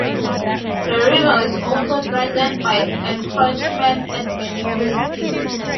The river is also threatened by encroachment at many places.